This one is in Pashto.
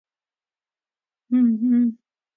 د بې ځایه مصرف څخه ډډه وکړئ.